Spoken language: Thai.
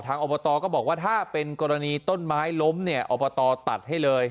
อบตก็บอกว่าถ้าเป็นกรณีต้นไม้ล้มเนี่ยอบตตัดให้เลย